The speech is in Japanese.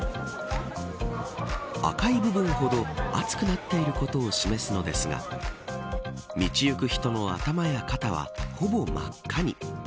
赤い部分ほど熱くなっていることを示すのですが道行く人の頭や肩はほぼ真っ赤に。